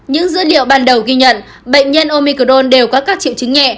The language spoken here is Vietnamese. những dữ liệu ban đầu ghi nhận bệnh nhân omicrone đều có các triệu chứng nhẹ